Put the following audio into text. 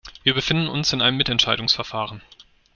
Wir befinden uns in einem Mitentscheidungsverfahren.